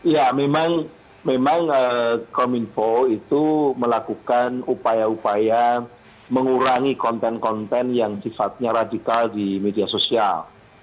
ya memang kominfo itu melakukan upaya upaya mengurangi konten konten yang sifatnya radikal di media sosial